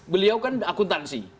beliau kan akuntansi